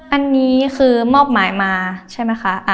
อันนี้คือมอบหมายมาใช่ไหมคะ